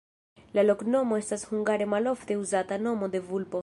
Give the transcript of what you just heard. La loknomo estas hungare malofte uzata nomo de vulpo.